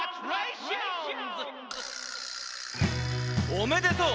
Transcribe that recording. おめでとう！